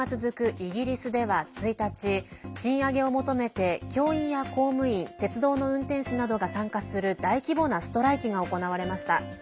イギリスでは１日賃上げを求めて教員や公務員鉄道の運転士などが参加する大規模なストライキが行われました。